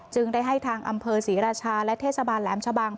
ได้ให้ทางอำเภอศรีราชาและเทศบาลแหลมชะบัง